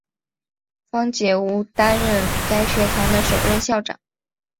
方解吾担任该学堂的首任校长。